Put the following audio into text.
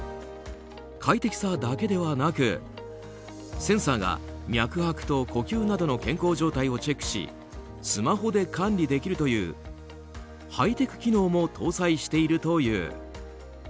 快適さだけではなくセンサーが脈拍や呼吸などの健康状態をチェックしスマホで管理できるというハイテク機能も搭載しているという。